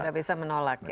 tidak bisa menolak ya